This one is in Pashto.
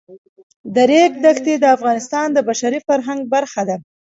د ریګ دښتې د افغانستان د بشري فرهنګ برخه ده.